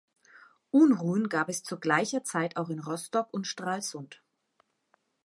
Unruhen gab es zu gleicher Zeit auch in Rostock und Stralsund.